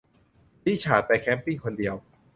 ริชาร์ดไปแคมป์ปิ้งคนเดียว